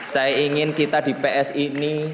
saya ingin kita di psi ini